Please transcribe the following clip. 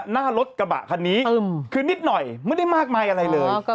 หน้ารถกระบะคันนี้คือนิดหน่อยไม่ได้มากมายอะไรเลย